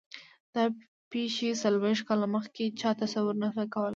دا پېښې څلوېښت کاله مخکې چا تصور نه شو کولای.